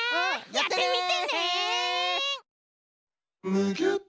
やってみてね！